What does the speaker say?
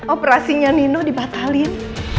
operasinya nino dibatalin